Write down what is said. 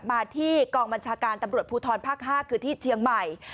มาที่กองบัญชาการตำรวจภูทรภาค๕คือที่เชียงใหม่